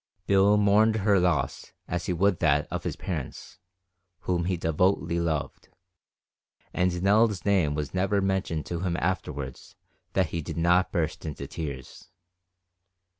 Bill mourned her loss as he would that of his parents, whom he devotedly loved, and Nell's name was never mentioned to him afterwards that he did not burst into tears.